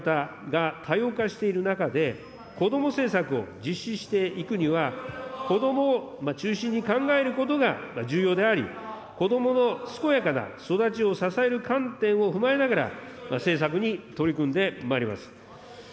家族の在り方が多様化している中で、子ども政策を実施していくには、子どもを中心に考えることが重要であり、子どもの健やかな育ちを支える観点を踏まえながら、政策に取り組んでまいります。